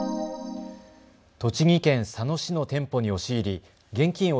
栃木県佐野市の店舗に押し入り現金